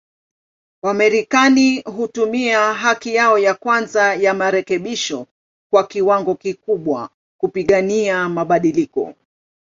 Wamarekani hutumia haki yao ya kwanza ya marekebisho kwa kiwango kikubwa, kupigania mabadiliko.